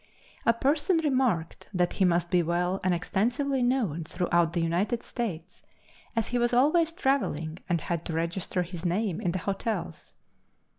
A person remarked that he must be well and extensively known throughout the United States, as he was always traveling and had to register his name in the hotels.